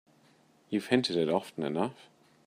You've hinted it often enough.